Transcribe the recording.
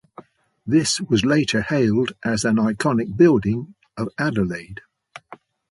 This was later hailed as an "iconic building" of Adelaide.